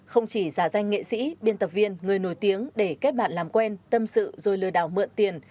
không chỉ giả danh nghệ sĩ biên tập viên người nổi tiếng để kết bạn làm quen tâm sự rồi lừa đảo mượn tiền